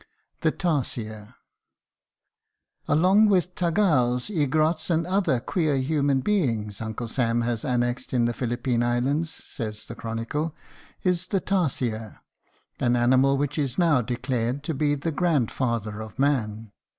THE TARSIER. Along with Tagals, Ygorottes, and other queer human beings Uncle Sam has annexed in the Philippine islands, says the Chronicle, is the tarsier, an animal which is now declared to be the grandfather of man.